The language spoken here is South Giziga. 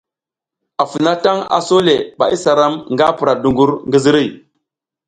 Afounatang, aso le ɓa isa ram nga pura dungur ngi ziriy.